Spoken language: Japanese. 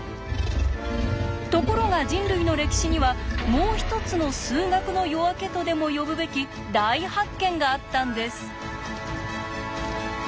ところが人類の歴史には「もう一つの数学の夜明け」とでも呼ぶべき大発見があったんです。